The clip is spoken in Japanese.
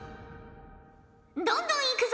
どんどんいくぞ！